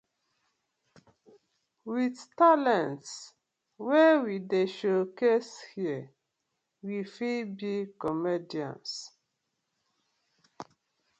With talent wey we dey show case here we fit be comedians.